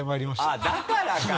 あっだからか。